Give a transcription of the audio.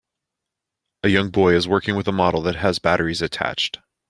A young boy is working with a model that has batteries attached.